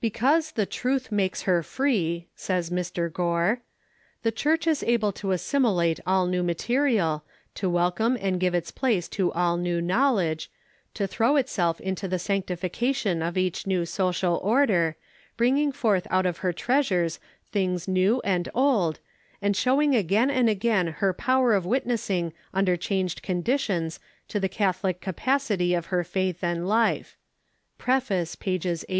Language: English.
"Because the 'truth makes her free,'" says Mr. Gore, "the Church is able to assimilate all new material, to welcome and give its place to all new knowledge, to throw itself into the sanctification of each new social order, bringing forth out of her treasures things new and old, and showing again and again her power of witnessing under changed conditions to the Catholic capacity of her faith and life" (Preface, pj). viii.